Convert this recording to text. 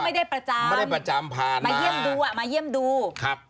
ไม่ได้ประจำไม่ได้ประจำผ่านมาเยี่ยมดูอ่ะมาเยี่ยมดูครับ